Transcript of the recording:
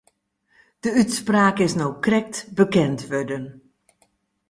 De útspraak is no krekt bekend wurden.